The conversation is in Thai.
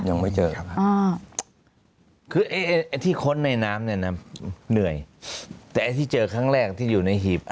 ยังไม่เจอครับคือไอ้ที่ค้นในน้ำเนี่ยนะเหนื่อยแต่ไอ้ที่เจอครั้งแรกที่อยู่ในหีบ